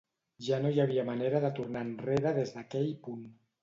Ja no hi havia manera de tornar enrere des d'aquell punt.